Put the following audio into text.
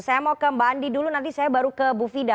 saya mau ke mbak andi dulu nanti saya baru ke bu fida